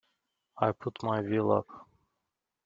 I put my veil up.